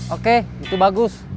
oke itu bagus